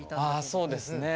ああそうですね